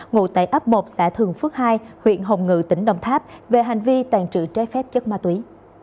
ngụ tại ấp một xã thường phước hai huyện hồng ngự tỉnh đồng tháp về hành vi tàn trự trái phép chất ma túy